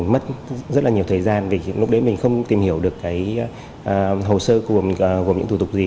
mất rất là nhiều thời gian vì lúc đấy mình không tìm hiểu được cái hồ sơ gồm những thủ tục gì